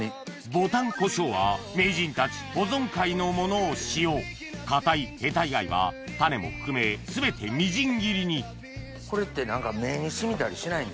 ぼたんこしょうは名人たち保存会のものを使用硬いヘタ以外は種も含め全てみじん切りにこれって何か目に染みたりしない？